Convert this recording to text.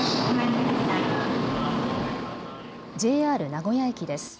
ＪＲ名古屋駅です。